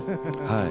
はい。